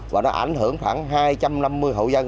và nó ảnh hưởng khoảng hai trăm năm mươi hộ dân